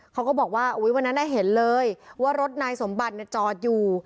เขาก็บอกว่าวันนั้นเห็นเลยว่ารถนายสมบัติจอดอยู่